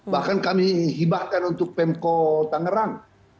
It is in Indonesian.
bahkan kami hibahkan untuk pemko tangerang